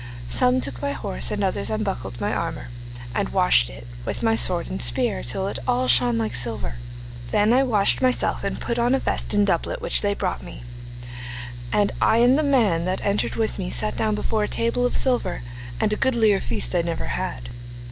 Some took my horse, and others unbuckled my armour, and washed it, with my sword and spear, till it all shone like silver. Then I washed myself and put on a vest and doublet which they brought me, and I and the man that entered with me sat down before a table of silver, and a goodlier feast I never had.